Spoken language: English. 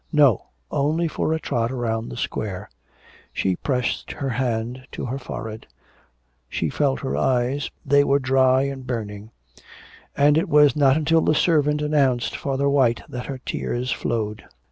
'No; only for a trot round the Square.' She pressed her hand to her forehead; she felt her eyes, they were dry and burning; and it was not until the servant announced Father White that her tears flowed.